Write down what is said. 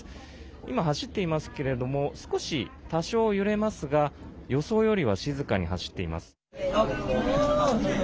今、走っていますけれども少し、多少揺れますが予想よりは静かに走っています。